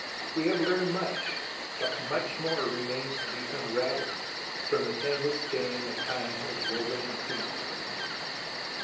We have learned much, but more remains to be unravelled from the tangled skein that Time has woven in Crete.